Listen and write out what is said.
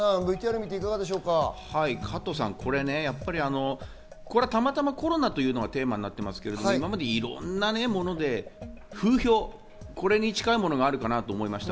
加藤さん、これね、たまたまコロナというのがテーマですけど、今までいろんなもので風評、これに近いものがあるかなと思いました。